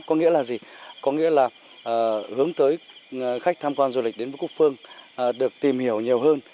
có nghĩa là gì có nghĩa là hướng tới khách tham quan du lịch đến với cúc phương được tìm hiểu nhiều hơn